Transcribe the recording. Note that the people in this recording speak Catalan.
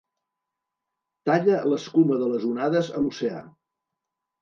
Talla l'escuma de les onades a l'oceà.